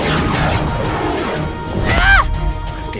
ia harus melakukan sesuatu